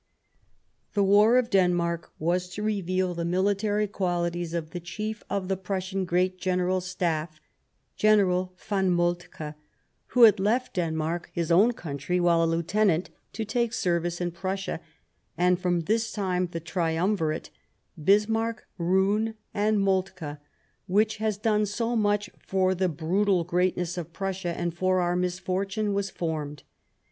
The war of Denmark was to reveal the military 70 The First Passage of Arms qualities of the Chief of the Prussian Great General Staff, General von Moltke, who had left Denmark, his own country, while a lieutenant, to take service in Prussia ; and from this time, the triumvirate — Bismarck, Roon, and Moltke — which has done so much for the brutal greatness of Prussia and for oiu: misfortune, was formed.